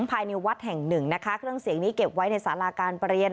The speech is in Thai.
ภายในวัดแห่งหนึ่งนะคะเครื่องเสียงนี้เก็บไว้ในสาราการประเรียน